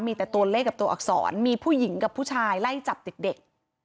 มีแต่ตัวเลขกับตัวอักษรมีผู้หญิงกับผู้ชายไล่จับเด็ก